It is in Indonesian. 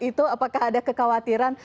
itu apakah ada kekhawatiran